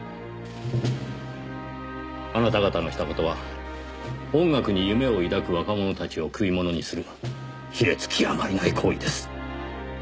あなた方のした事は音楽に夢を抱く若者たちを食いものにする卑劣極まりない行為です。